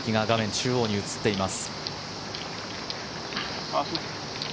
中央に映っています。